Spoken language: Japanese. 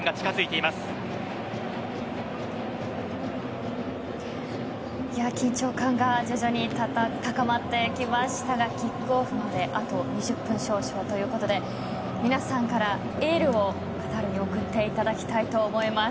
いや、緊張感が徐々に高まってきましたがキックオフまであと２０分少々ということで皆さんからエールをカタールに送っていただきたいと思います。